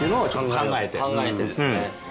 考えてですね。